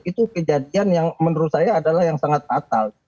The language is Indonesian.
itu kejadian yang menurut saya adalah yang sangat fatal